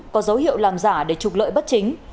có dấu hiệu làm giả để trục lợi bất chính